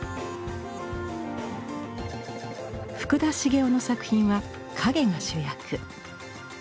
福田繁雄の作品は影が主役。